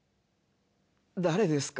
誰ですか？